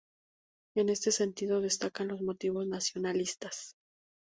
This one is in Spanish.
En este sentido destacan los motivos nacionalistas.